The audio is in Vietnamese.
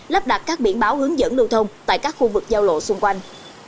lắp đặt các biển báo hướng dẫn lưu thông tại các khu vực giao lộ xung quanh